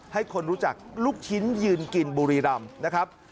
ให้คนรู้จักลูกชิ้นยืนกินบุรีรำนะครับ